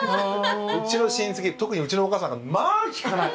うちの親戚特にうちのお母さんなんかまあ聞かない。